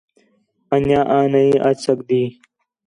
انڄیاں آں نہیں اَچ سڳدی